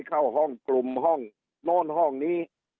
เข้าห้องกลุ่มห้องโน้นห้องนี้